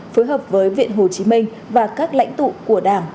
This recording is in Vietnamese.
phối hợp với viện hồ chí minh và các lãnh tụ của đảng